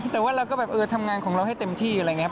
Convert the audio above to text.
แต่ว่าเราก็แบบเออทำงานของเราให้เต็มที่อะไรอย่างนี้